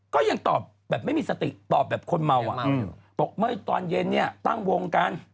ก็ยังตอบแบบไม่มีสติตอบแบบคนเมาอ่ะบอกเมื่อตอนเย็นเนี่ยตั้งวงกัน